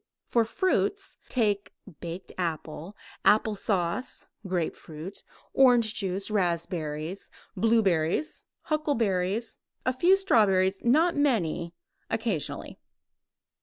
For fruits: take baked apple, applesauce, grapefruit, orange juice, raspberries, blueberries, huckleberries, a few strawberries not many occasionally.